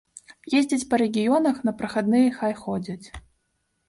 Ездзяць па рэгіёнах, на прахадныя хай ходзяць.